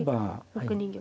６二玉。